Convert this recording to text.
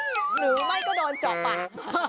หรือไม่ก็โดนเจาะปาก